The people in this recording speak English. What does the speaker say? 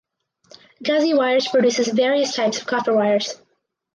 Gazi wires produces various types of copper wires.